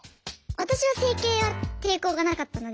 私は整形は抵抗がなかったので。